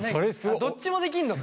どっちもできんのか。